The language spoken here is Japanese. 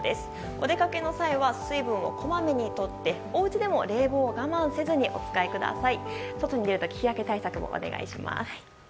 お出かけの際は水分をこまめにとっておうちでも冷房を我慢せずにお使いください。